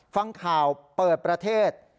ฟังข่าวเปิดประเทศ